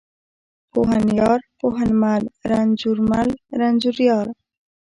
پوهنيار، پوهنمل، رنځورمل، رنځوریار.